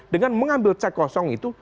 dengan mengambil cek kosong itu